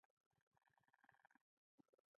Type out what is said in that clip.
د مسلمانانو په څنګ کې د ساره او اسحاق قبرونه دي.